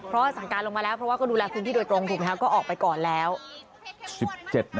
เพราะสั่งการลงมาแล้วเพราะว่าก็ดูแลพื้นที่โดยตรง